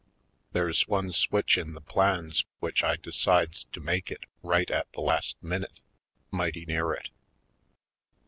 There's one switch in the plans, which I decides to make it right at the last minute, mighty near it.